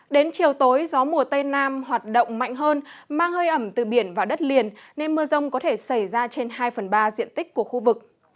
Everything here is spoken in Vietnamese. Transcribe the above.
đến chiều tối gió mùa tây nam hoạt động mạnh hơn mang hơi ẩm từ biển vào đất liền nên mưa rông có thể xảy ra trên hai phần ba diện tích của khu vực